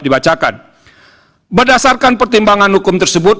berdasarkan pertimbangan hukum tersebut